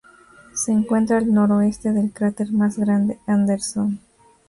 Se encuentra al noroeste del cráter más grande Anderson.